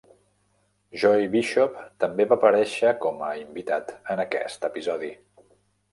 Joey Bishop també va aparèixer com a invitat en aquest episodi.